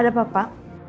ada apa pak